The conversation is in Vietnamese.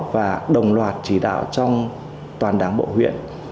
và đồng loạt chỉ đạo trong toàn đảng bộ huyện